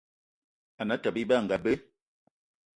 Ane Atёbё Ebe anga be